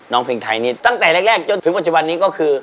เพลงไทยนี่ตั้งแต่แรกจนถึงปัจจุบันนี้ก็คือ